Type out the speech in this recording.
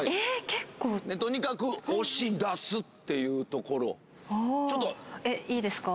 結構とにかく押し出すっていうところちょっとえっいいですか？